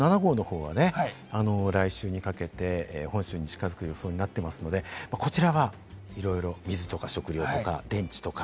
一方、７号のほうはね、来週にかけて本州に近づく予想になっていますので、こちらは水とか、食料とか、電池とか。